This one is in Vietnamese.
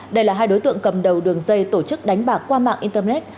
đây là hai đối tượng cầm đầu đường dây tổ chức đánh bạc qua mạng internet